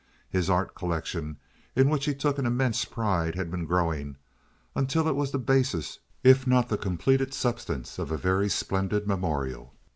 His art collection, in which he took an immense pride, had been growing, until it was the basis if not the completed substance for a very splendid memorial.